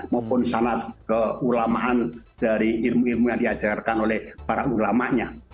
maupun sanat keulamaan dari ilmu ilmu yang diajarkan oleh para ulamanya